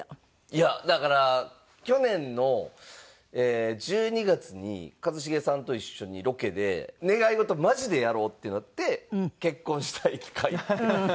いやだから去年の１２月に一茂さんと一緒にロケで願い事マジでやろうってなって「結婚したい」って書いて。